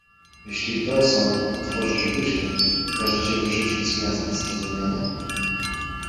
Jeśli w Dawson otworzysz buzię, każę cię wyrzucić z miasta. Zrozumiane?